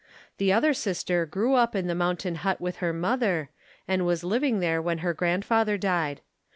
The other sister grew up in the mountain hut with her mother, and was living there when her grandfather died.